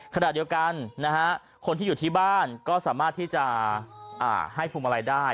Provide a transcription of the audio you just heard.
ขณะเดียวกันนะฮะคนที่อยู่ที่บ้านก็สามารถที่จะให้พวงมาลัยได้